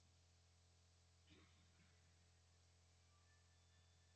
加强都市更新